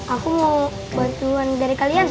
aku mau bantu dari kalian